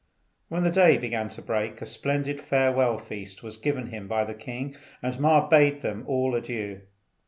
When the day began to break a splendid farewell feast was given him by the king, and Ma bade them all adieu.